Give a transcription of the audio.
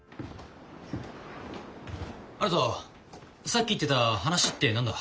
さっき言ってた話って何だ？